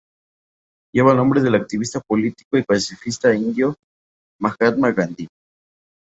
Lleva el nombre del activista político y pacifista indio, Mahatma Gandhi.